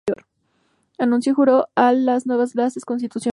Anunció y juró las nuevas Bases Constitucionales.